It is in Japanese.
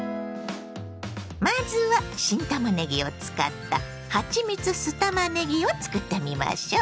まずは新たまねぎを使った「はちみつ酢たまねぎ」を作ってみましょ。